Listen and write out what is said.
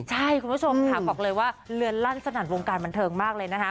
ใช่คุณผู้ชมค่ะบอกเลยว่าเลือนลั่นสนั่นวงการบันเทิงมากเลยนะคะ